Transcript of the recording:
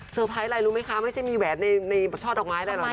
ไพรส์อะไรรู้ไหมคะไม่ใช่มีแหวนในช่อดอกไม้อะไรหรอก